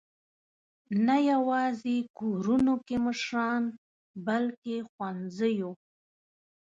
نه یواځې کورونو کې مشران، بلکې ښوونځیو.